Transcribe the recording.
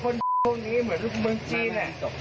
เงิน